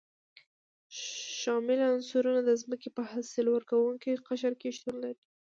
شامل عنصرونه د ځمکې په حاصل ورکوونکي قشر کې شتون لري.